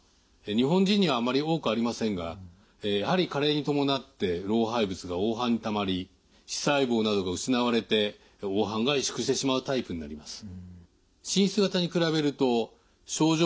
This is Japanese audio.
日本人にはあまり多くありませんがやはり加齢に伴って老廃物が黄斑にたまり視細胞などが失われて黄斑が萎縮してしまうタイプになります。